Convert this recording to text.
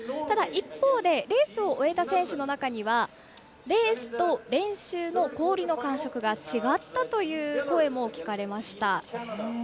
ただ一方でレースを終えた選手の中にはレースと練習の氷の感触が違ったという声も聞かれました。